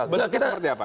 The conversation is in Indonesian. bentuknya seperti apa